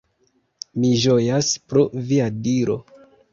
Mi ĝojas pro via diro.